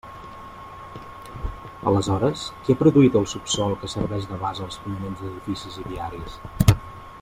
Aleshores, ¿qui ha produït el subsòl que serveix de base als fonaments d'edificis i viaris?